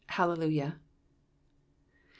Hallelujah.